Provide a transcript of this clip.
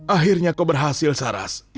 akhirnya kau berhasil saras